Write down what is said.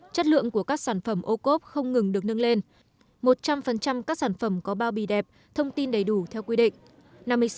chất lượng của các sản phẩm ô cốp không ngừng được nâng lên một trăm linh các sản phẩm có bao bì đẹp thông tin đầy đủ theo quy định